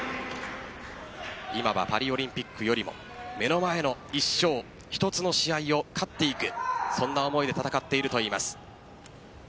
今はパリオリンピックよりも目の前の１勝一つの試合を勝っていくそんな思いで戦っているといいます。